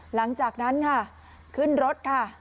หลังจากนั้นค่ะขึ้นรถค่ะ